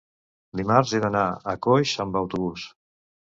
Dimarts he d'anar a Coix amb autobús.